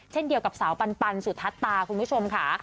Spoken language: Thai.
เช่นเดียวกับสาวปันสุทัศตาคุณผู้ชมค่ะ